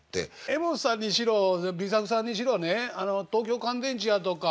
柄本さんにしろＢ作さんにしろね東京乾電池やとか。